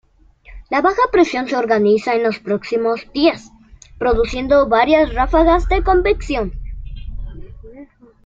La baja presión se organiza en los próximos días, produciendo varias ráfagas de convección.